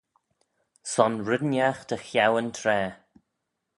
Son red ennagh dy cheau yn traa.